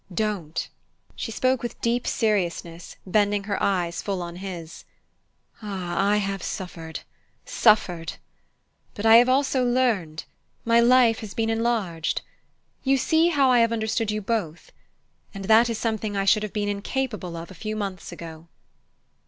Don't!" She spoke with deep seriousness, bending her eyes full on his: "Ah, I have suffered suffered! But I have learned also my life has been enlarged. You see how I have understood you both. And that is something I should have been incapable of a few months ago."